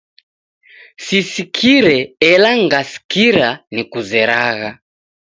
Sisikire ela ngasikira nikuzeragha.